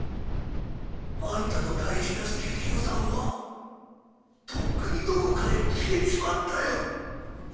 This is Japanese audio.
アンタの大事な佐清さんはとっくにどこかへ消えちまったよ。